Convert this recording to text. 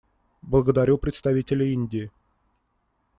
Благодарю представителя Индии.